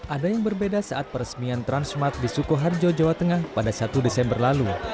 ada yang berbeda saat peresmian transmart di sukoharjo jawa tengah pada satu desember lalu